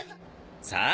さあ